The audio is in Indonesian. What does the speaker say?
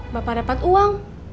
bapak dapat uang